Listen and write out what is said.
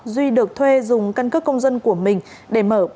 duy được thuê dùng căn cước công dân của mình để mở